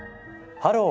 「ハロー！